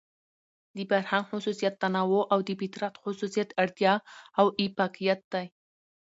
د فرهنګ خصوصيت تنوع او د فطرت خصوصيت اړتيا او اۤفاقيت دى.